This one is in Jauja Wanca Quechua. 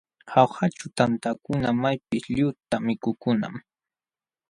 Jaujaćhu tantakuna maypis lliwta mikukunam.